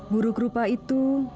buruk rupa itu